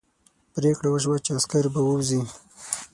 پرېکړه وشوه چې عسکر به ووځي.